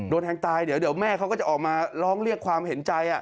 โดนแทงตายเดี๋ยวแม่เขาก็จะออกมาร้องเรียกความเห็นใจ